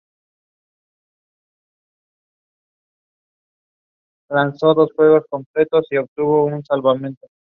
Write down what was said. Este último comenta su interpretación en su autobiografía "Siendo un actor".